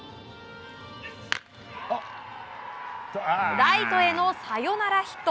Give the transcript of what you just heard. ライトへのサヨナラヒット！